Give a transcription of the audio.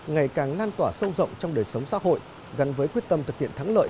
ngày càng lan tỏa sâu rộng trong đời sống xã hội gắn với quyết tâm thực hiện thắng lợi